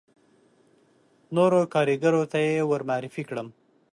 نورو کاریګرو ته یې ور معرفي کړم.